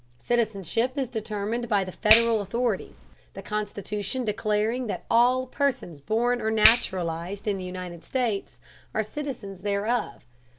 Citizenship is determined by the Federal authorities, the Constitution declaring that all persons born or naturalized in the United States are citizens thereof.